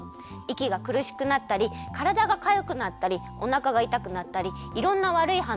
いきがくるしくなったりからだがかゆくなったりおなかがいたくなったりいろんなわるいはんのうがでちゃうんだって。